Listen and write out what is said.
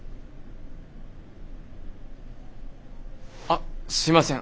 あっすいません。